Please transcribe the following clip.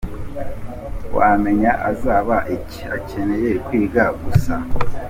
Wamenya azaba iki? akeneye kwiga gusa.